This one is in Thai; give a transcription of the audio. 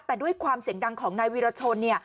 แต่ด้วยความเสียงดังของนายวีรชน